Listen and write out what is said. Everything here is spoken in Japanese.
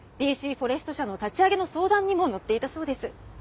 フォレスト社の立ち上げの相談にも乗っていたそうです。